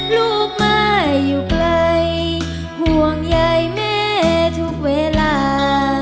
ลูกไม่อยู่ไกลห่วงใยแม่ทุกเวลา